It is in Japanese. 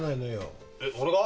えっ俺が？